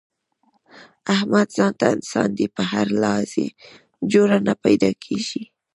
احمد ځانته انسان دی، په هر لحاظ یې جوړه نه پیداکېږي.